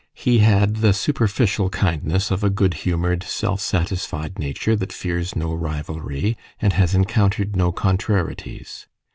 He had the superficial kindness of a good humoured, self satisfied nature, that fears no rivalry, and has encountered no contrarieties.